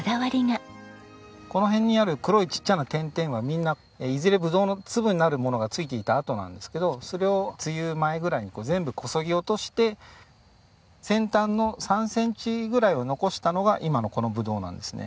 この辺にある黒いちっちゃな点々はみんないずれぶどうの粒になるものが付いていたあとなんですけどそれを梅雨前ぐらいに全部こそぎ落として先端の３センチぐらいを残したのが今のこのぶどうなんですね。